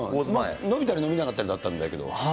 伸びたり伸びなかったりだけど。